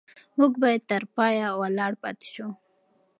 موږ باید تر پایه ولاړ پاتې شو.